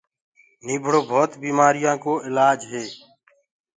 نيٚڀڙو ڀوت بيمآريآن ڪو اِلآج هي